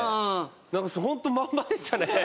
何かホントまんまでしたね。